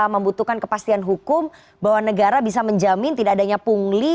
membutuhkan kepastian hukum bahwa negara bisa menjamin tidak adanya pungli